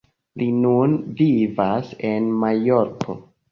Li nun vivas en Majorko.